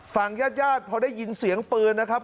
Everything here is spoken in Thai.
ฝั่งญาติญาติพอได้ยินเสียงปืนนะครับ